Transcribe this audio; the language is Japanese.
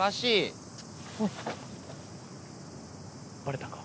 バレたか？